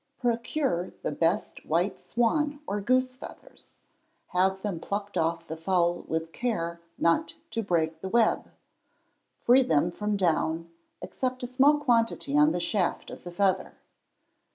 Procure the best white swan or goose feathers; have them plucked off the fowl with care not to break the web; free them from down, except a small quantity on the shaft of the feather.